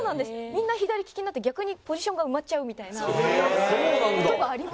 みんな左利きになって逆にポジションが埋まっちゃうみたいな事がありました。